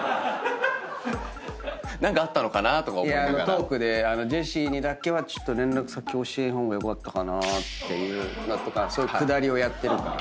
トークでジェシーにだけはちょっと連絡先教えん方がよかったかなっていうのとかそういうくだりをやってるから。